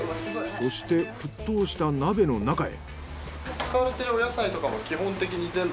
そして沸騰した鍋の中へ。